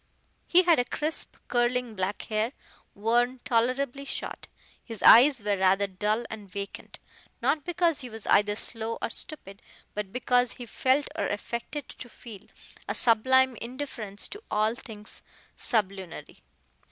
He had crisp, curling black hair, worn tolerably short. His eyes were rather dull and vacant, not because he was either slow or stupid, but because he felt or affected to feel, a sublime indifference to all things sublunary.